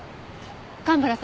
蒲原さん